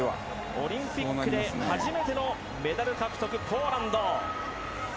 オリンピックで初めてのメダル獲得、ポーランド。